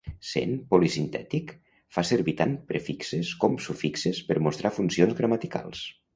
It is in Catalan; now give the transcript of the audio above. Sent polisintètic, fa servir tant prefixes com sufixes per mostrar funcions gramaticals.